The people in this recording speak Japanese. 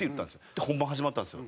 で本番始まったんですよ。